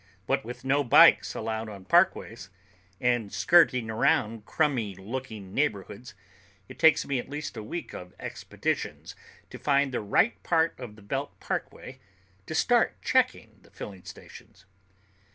What with no bikes allowed on parkways, and skirting around crumby looking neighborhoods, it takes me at least a week of expeditions to find the right part of the Belt Parkway to start checking the filling stations.